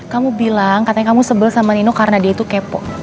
kamu bilang katanya kamu sebel sama nino karena dia itu kepo